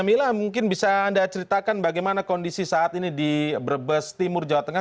mila mungkin bisa anda ceritakan bagaimana kondisi saat ini di brebes timur jawa tengah